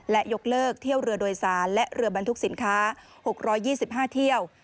และยกเลิกเที่ยวเรือโดยสารและเรือบรรทุกสินค้า๖๒๕เที่ยว